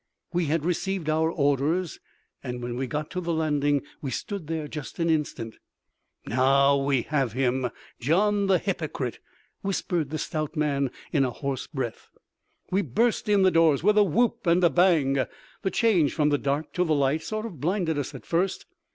We had received our orders, and when we got to the landing we stood there just an instant. "Now we have him—Gian the hypocrite!" whispered the stout man in a hoarse breath. We burst in the doors with a whoop and a bang. The change from the dark to the light sort of blinded us at first.